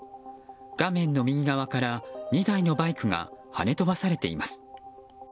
画面の右側から２台のバイクが跳ね飛ばされています。